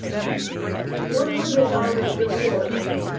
ONE HUNDRED DOLLARS REWARD.